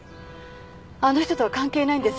あの人とは関係ないんです。